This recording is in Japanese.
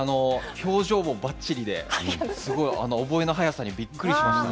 表情もばっちりで覚えの早さにびっくりしました。